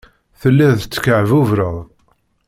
Telliḍ tekkeɛbubreḍ.